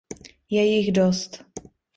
Je jich dost.